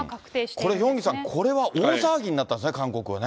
これヒョンギさん、大騒ぎになったんですね、韓国はね。